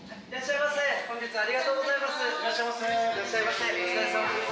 いらっしゃいませ。